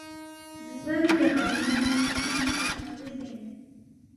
މިވަރުގެ މަންމައެއް މީހަކަށް ނުލިބޭނެ